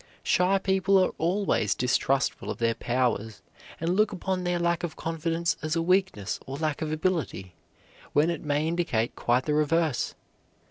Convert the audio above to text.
Shy people are always distrustful of their powers and look upon their lack of confidence as a weakness or lack of ability, when it may indicate quite the reverse.